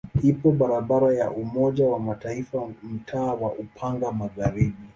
Ipo barabara ya Umoja wa Mataifa mtaa wa Upanga Magharibi.